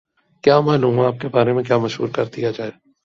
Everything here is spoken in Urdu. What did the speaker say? کیا معلوم آپ کے بارے میں کیا مشہور کر دیا جائے؟